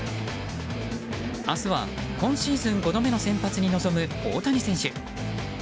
明日は今シーズン５度目の先発に臨む大谷選手。